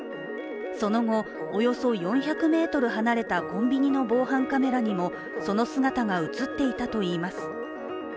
その後およそ４００ｍ離れたコンビニの防犯カメラにもその姿が映っていたといいます。